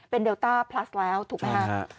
เป็นเดลต้าพลัสแล้วถูกค่ะ